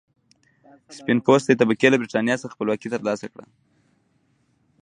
سپین پوستې طبقې له برېټانیا څخه خپلواکي تر لاسه کړه.